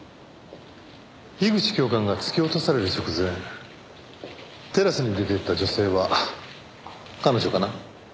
樋口教官が突き落とされる直前テラスに出て行った女性は彼女かな？